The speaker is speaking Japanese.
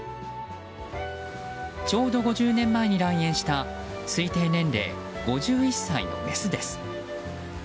ちょうど５０年前に来園した推定年齢５１歳のメスです。